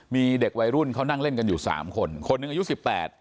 มีเด็กวัยรุ่นเขานั่งเล่นกันอยู่สามคนคนหนึ่งอายุสิบแปด